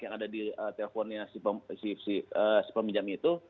yang ada di teleponnya si peminjam itu